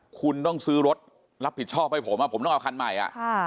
คุณต้องซื้อรถรับผิดชอบให้ผมผมต้องเอาคันใหม่